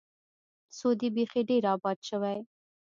سعودي بیخي ډېر آباد شوی.